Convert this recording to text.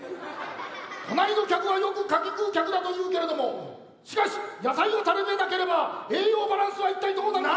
隣の客はよく柿食う客だというけれどもしかし野菜を食べなければ栄養バランスは一体どうなる。